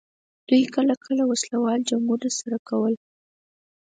دوی کله کله وسله وال جنګونه سره کول.